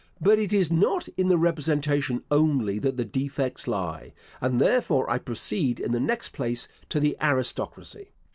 But it is not in the representation only that the defects lie, and therefore I proceed in the next place to the aristocracy.